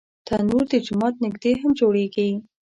تنور د جومات نږدې هم جوړېږي